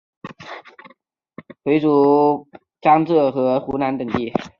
伍姓回族主要分布在江浙和湖南等地。